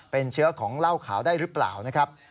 เป็นเชื้อของเหล้าขาวได้หรือเปล่านะครับ